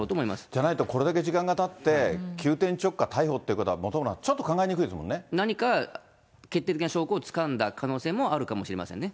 じゃないと、これだけ時間がたって、急転直下逮捕っていうことは、本村さん、何か決定的な証拠をつかんだ可能性もあるかもしれませんね。